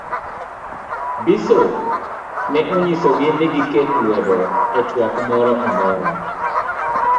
bisop ne onyiso gi ni giket lwedo e twak moro amora.